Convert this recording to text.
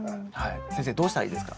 先生どうしたらいいですか？